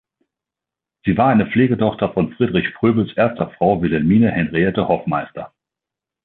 Sie war eine Pflegetochter von Friedrich Fröbels erster Frau Wilhelmine Henriette Hoffmeister.